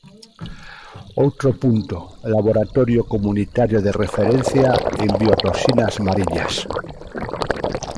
Outro punto: Laboratorio Comunitario de Referencia en Biotoxinas Mariñas.